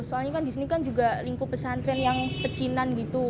soalnya kan di sini kan juga lingkup pesantren yang pecinan gitu